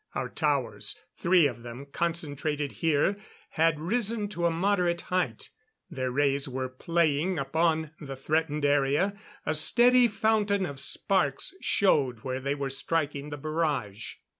Our towers, three of them concentrated here, had risen to a moderate height; their rays were playing upon the threatened area; a steady fountain of sparks showed where they were striking the barrage.